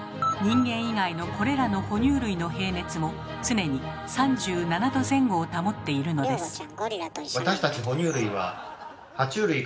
人間以外のこれらの哺乳類の平熱も常に３７℃前後を保っているのです。